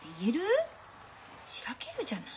しらけるじゃない。